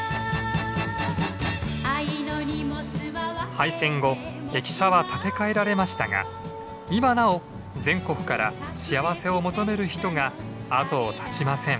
廃線後駅舎は建て替えられましたが今なお全国から幸せを求める人が後を絶ちません。